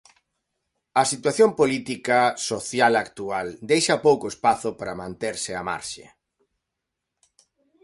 A situación política, social actual deixa pouco espazo para manterse á marxe.